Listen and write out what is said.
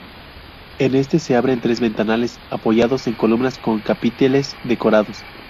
En este se abren tres ventanales apoyados en columnas con capiteles decorados.